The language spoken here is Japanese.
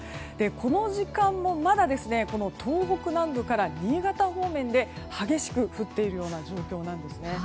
この時間もまだ東北南部から新潟方面で激しく降っているような状況なんですね。